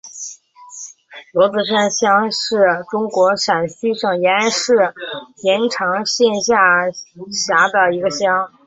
罗子山乡是中国陕西省延安市延长县下辖的一个乡。